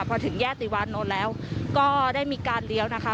พอถึงแยกติวานนท์แล้วก็ได้มีการเลี้ยวนะคะ